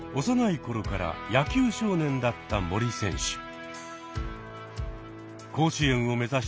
幼い頃から野球少年だった森選手。